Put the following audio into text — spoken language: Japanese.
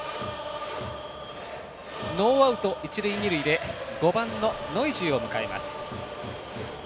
ノーアウト、一塁二塁で５番のノイジーを迎えます。